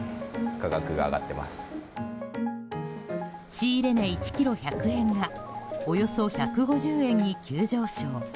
仕入れ値１ｋｇ１００円がおよそ１５０円に急上昇。